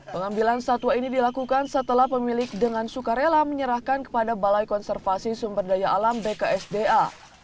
pengambilan satwa ini dilakukan setelah pemilik dengan sukarela menyerahkan kepada balai konservasi sumber daya alam bksda